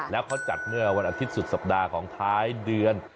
แล้วเขาจัดเมื่อวันอาทิตยสุดสัปดาห์ของท้ายเดือน